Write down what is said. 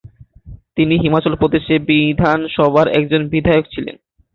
তিনি হিমাচল প্রদেশ বিধানসভার একজন বিধায়ক ছিলেন।